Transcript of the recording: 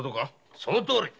そのとおり！